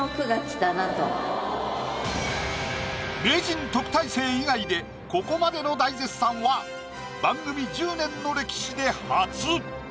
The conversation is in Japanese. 名人特待生以外でここまでの大絶賛は番組１０年の歴史で初！